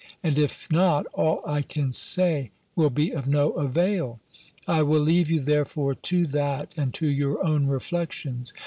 And if not, all I can say will be of no avail! I will leave you therefore to that, and to your own reflections.